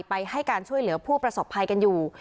ให้การช่วยเหลือผู้ประสบภัยกันอยู่